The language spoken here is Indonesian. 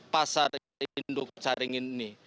pasar induk saringin ini